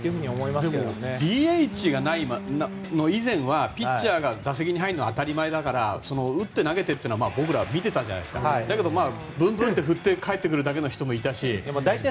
でも、ＤＨがない以前はピッチャーが打席に入るのは当たり前だから打って投げても僕らは見ていたけどブンブンと振ってかえってくるだけの人もいたし。